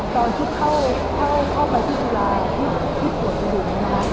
ตอนที่เข้าไปที่จุฬาที่ตรวจกระดูกนะคะ